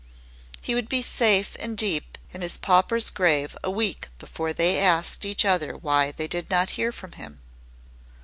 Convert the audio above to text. He would be safe and deep in his pauper's grave a week before they asked each other why they did not hear from him.